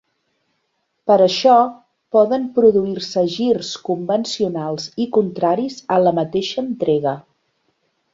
Per això, poden produir-se girs convencionals i contraris a la mateixa entrega.